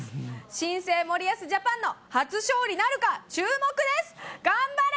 新生森保ジャパンの初勝利なるか、注目です。